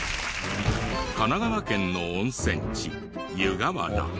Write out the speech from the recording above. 神奈川県の温泉地湯河原。